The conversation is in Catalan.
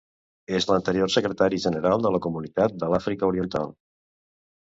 És l'anterior Secretari General de la Comunitat de l'Àfrica Oriental.